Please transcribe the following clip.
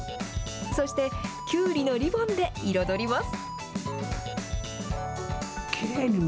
そしてキュウリのリボンで彩ります。